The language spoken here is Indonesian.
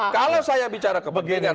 kalau saya bicara kepentingan